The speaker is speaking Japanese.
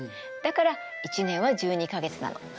だから１年は１２か月なの。